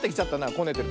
こねてる。